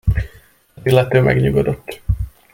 Az illető megnyugodott.